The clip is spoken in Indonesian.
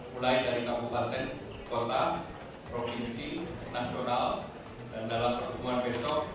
mulai dari kabupaten kota provinsi nasional dan dalam kebutuhan besok